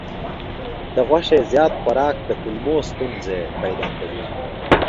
د غوښې زیات خوراک د کولمو ستونزې پیدا کوي.